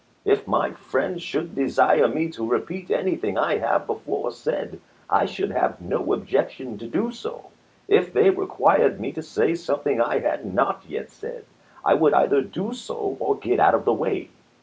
If my friends should desire me to repeat anything I have before said, I should have no objection to do so. If they required me to say something I had not yet said, I would either do so or get out of the way.